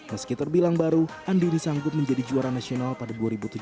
meski terbilang baru andi disangkut menjadi juara nasional pada dua ribu tujuh belas